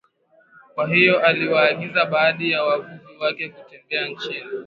Kwa hiyo aliwaagiza baadhi ya wavuvi wake kutembea chini